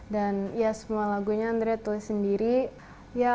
dan semua lagunya andrea tulisnya